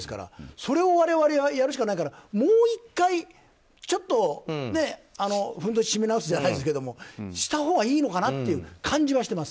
それを我々はやるしかないからもう１回、ふんどしを締め直すじゃないですけどしたほうがいいのかなっていう感じはしてます。